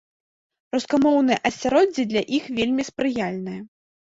Рускамоўнае асяроддзе для іх вельмі спрыяльнае.